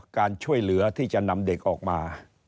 การช่วยเหลือที่จะนำเด็กออกมา